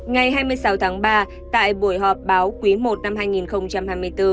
ngày hai mươi sáu tháng ba tại buổi họp báo quý i năm hai nghìn hai mươi bốn